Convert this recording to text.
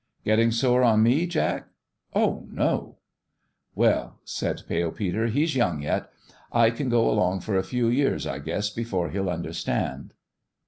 " Getting sore on me, Jack?" " Oh, no !" "Well," said Pale Peter, " he's young yet. I can go along for a few years, I guess, before he'll understand."